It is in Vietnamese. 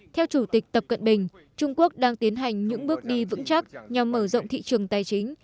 theo chủ tịch tập cận bình trung quốc đang tiến hành những bước đi vững chắc nhằm mở rộng thị trường tài chính